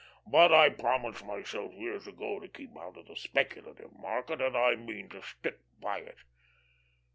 But I promised myself years ago to keep out of the speculative market, and I mean to stick by it."